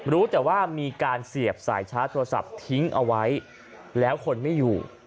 รู้แต่ว่ามีการเสียบสายชาร์จโทรศัพท์ทิ้งเอาไว้แล้วคนไม่อยู่